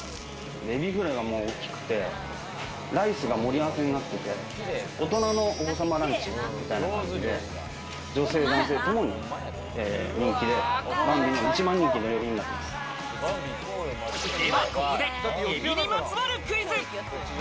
エビフライが大きくて、ライスが盛り合わせになってて、大人のお子様ランチみたいな感じで、女性男性ともに人気で、では、ここでエビにまつわるクイズ。